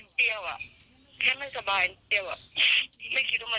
ล่าสุดค่ะคุณผู้ชมค่ะ